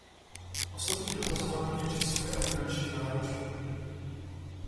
Osobní dotazování je časově a finančně náročné.